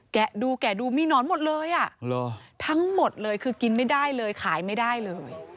ดูแกะดูมีหนอนหมดเลยอ่ะทั้งหมดเลยคือกินไม่ได้เลยขายไม่ได้เลย